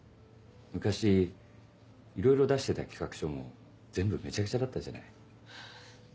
昔いろいろ出してた企画書も全部めちゃくちゃだったじゃない。